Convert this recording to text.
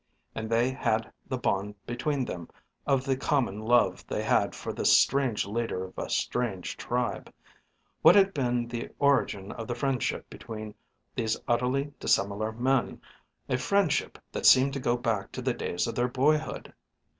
And they had the bond between them of the common love they had for this strange leader of a strange tribe. What had been the origin of the friendship between these utterly dissimilar men a friendship that seemed to go back to the days of their boyhood?